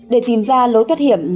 để tìm ra lối thoát hiểm